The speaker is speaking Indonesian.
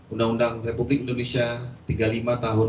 undang undang republik indonesia tiga puluh lima tahun dua ribu dua